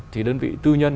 thì đơn vị tư nhân